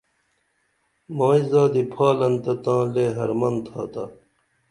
مائی زادی پھالن تہ تاں لے حرمن تھاتا